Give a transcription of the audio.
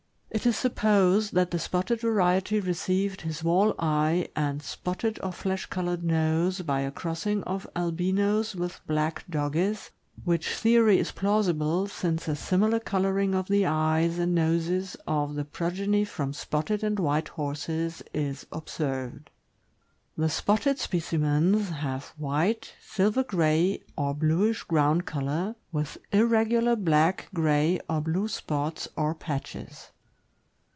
It is supposed that the spotted variety received his wall eye and spotted or flesh colored nose by a crossing of Albinos with black Dogges, which theory is plausible, since a simi lar coloring of the eyes and noses of the progeny from spotted and white horses is observed. The spotted specimens have white, silver gray, or bluish THE GREAT DANE. 535 ground color, with irregular black, gray, or blue spots or patches.